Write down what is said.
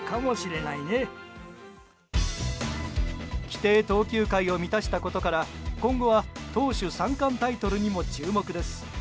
規定投球回を満たしたことから今後は、投手３冠タイトルにも注目です。